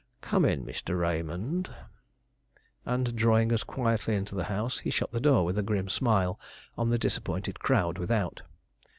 "Come in, Mr. Raymond." And drawing us quietly into the house, he shut the door with a grim smile on the disappointed crowd without.